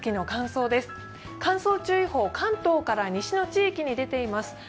乾燥注意報、関東から西の地域に出ています。